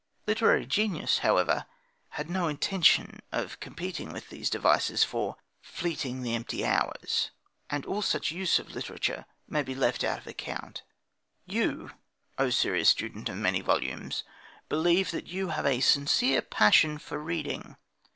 Literary genius, however, had no intention of competing with these devices for fleeting the empty hours; and all such use of literature may be left out of account. You, O serious student of many volumes, believe that you have a sincere passion for reading.